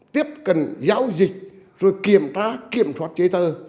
tiếp cận giao dịch rồi kiểm tra kiểm soát chế tờ